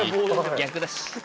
逆だし。